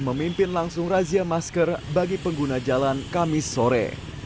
memimpin langsung razia masker bagi pengguna jalan kamis sore